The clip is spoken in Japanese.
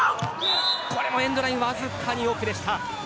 これもエンドラインわずかに奥でした。